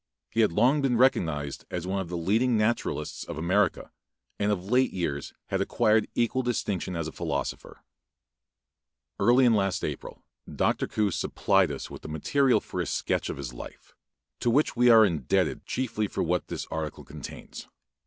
He had long been recognized as one of the leading naturalists of America, and of late years had acquired equal distinction as a philosopher. Early in April last Dr. Coues supplied us with the material for a sketch of his life, to which we are indebted chiefly for what this article contains.